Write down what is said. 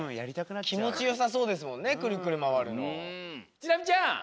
ちなみちゃん！